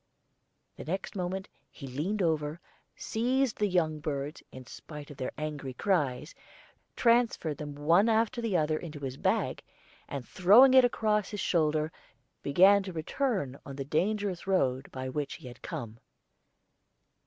The next moment he leaned over, seized the young birds in spite of their angry cries, transferred them one after the other to his bag, and throwing it across his shoulder, began to return on the dangerous road by which he had come.